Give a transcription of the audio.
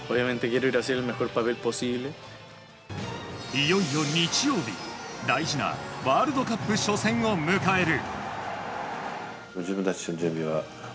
いよいよ日曜日大事なワールドカップ初戦を迎える。